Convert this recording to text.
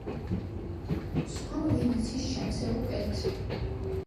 სხვამ ვინ იცის ჩემზე უკეთ?